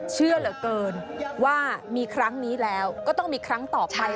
เชื่อเหลือเกินว่ามีครั้งนี้แล้วก็ต้องมีครั้งต่อไป